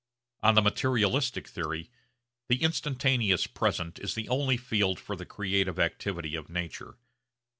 On the materialistic theory the instantaneous present is the only field for the creative activity of nature.